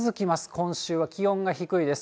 今週は気温が低いです。